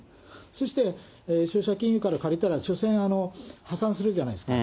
そして消費者金融から借りたら、しょせん、破産するじゃないですか。